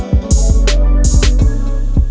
kau bakal jawab